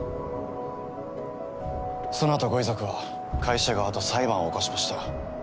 そのあとご遺族は会社側と裁判を起こしました。